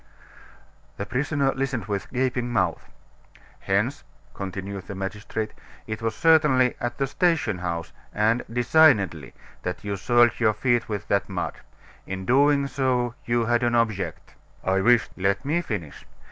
The prisoner listened with gaping mouth. "Hence," continued the magistrate, "it was certainly at the station house, and designedly, that you soiled your feet with that mud. In doing so you had an object." "I wished " "Let me finish.